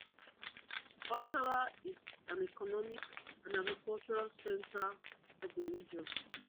Farsala is an economic and agricultural centre of the region.